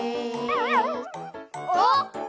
あっ！